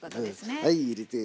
はい入れて。